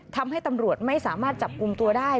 ทำให้ตำรวจไม่สามารถจับกลุ่มตัวได้